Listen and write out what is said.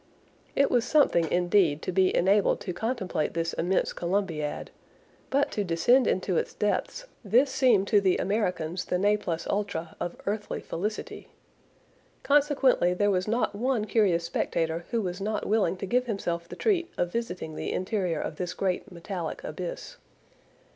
It was something, indeed, to be enabled to contemplate this immense Columbiad; but to descend into its depths, this seemed to the Americans the ne plus ultra of earthly felicity. Consequently, there was not one curious spectator who was not willing to give himself the treat of visiting the interior of this great metallic abyss.